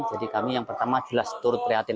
jadi kami yang pertama jelas turut prihatin